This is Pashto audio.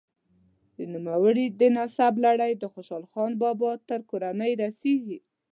د نوموړي د نسب لړۍ د خوشحال خان بابا تر کورنۍ رسیږي.